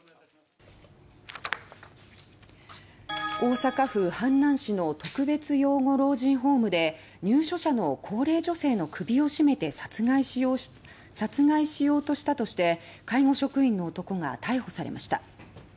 大阪府阪南市の特別養護老人ホームで入所者の高齢女性の首を絞めて殺害しようとしたとして介護職員の男が逮捕されました。